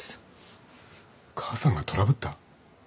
母さんがトラブった？